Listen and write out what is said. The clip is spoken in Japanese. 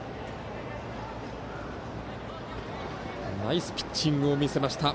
ナイスピッチングを見せました